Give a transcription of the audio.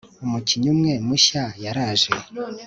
umukinnyi umwe mushya yaraje